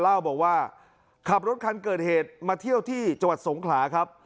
เล่าบอกว่าขับรถคันเกิดเหตุมาเที่ยวที่จังหวัดสงขลาครับ